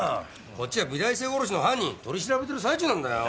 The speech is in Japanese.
こっちは美大生殺しの犯人取り調べてる最中なんだよ。